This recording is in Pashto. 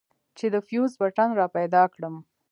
چې د فيوز بټن راپيدا کړم.